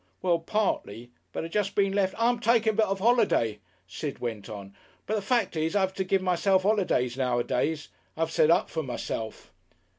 "Well, partly. But I just been lef' " "I'm taking a bit of a holiday," Sid went on. "But the fact is, I have to give myself holidays nowadays. I've set up for myself."